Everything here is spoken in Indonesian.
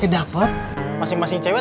udah lama doi